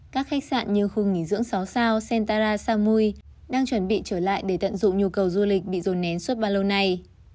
các khách sạn như khu nghỉ dưỡng sáu sao sentara samui đang chuẩn bị trở lại để tận dụng nhu cầu du lịch bị dồn nén suốt bao lâu nay